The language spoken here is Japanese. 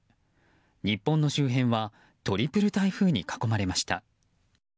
日本の周辺はトリプル台風に囲まれました。